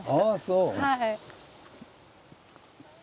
はい。